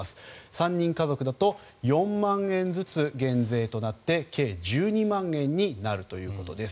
３人家族だと４万円ずつ減税となって計１２万円になるということです。